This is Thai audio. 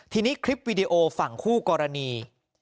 ทีนี้คลิปวีดีโอฝั่งคู่กรณี